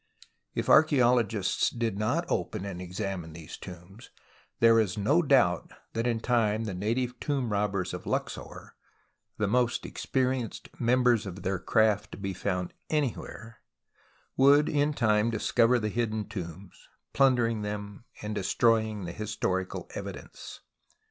If archaeologists did not open and examine these tombs there is no doubt tliat in time the native tomb robbers of Luxor, the most experienced members of their craft to be found anywhere, would in time discover the hidden tombs, plundering them and destroying the historical evidence.